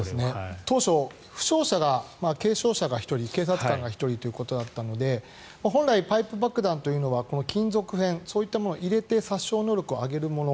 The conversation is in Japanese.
当初、負傷者が軽傷者が１人警察官が１人ということだったので本来パイプ爆弾というのは金属片そういったものを入れて殺傷能力を上げるもの。